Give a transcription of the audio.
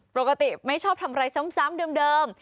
ไม่ชอบทำอะไรซ้ำเดิม